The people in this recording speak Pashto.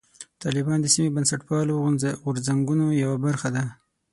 طالبان د سیمې بنسټپالو غورځنګونو یوه برخه ده.